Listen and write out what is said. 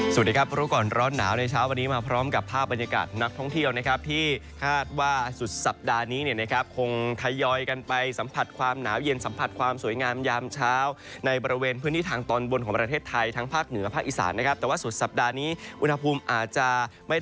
สวัสดีครับรู้ก่อนร้อนหนาวในเช้าวันนี้มาพร้อมกับภาพบรรยากาศนักท่องเที่ยวนะครับที่คาดว่าสุดสัปดาห์นี้เนี่ยนะครับคงทยอยกันไปสัมผัสความหนาวเย็นสัมผัสความสวยงามยามเช้าในบริเวณพื้นที่ทางตอนบนของประเทศไทยทั้งภาคเหนือภาคอีสานนะครับแต่ว่าสุดสัปดาห์นี้อุณหภูมิอาจจะไม่